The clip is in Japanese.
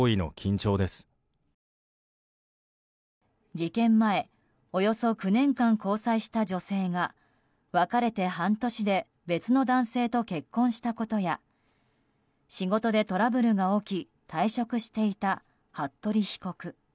事件前およそ９年間交際した女性が別れて半年で別の男性と結婚したことや仕事でトラブルが起き退職していた服部被告。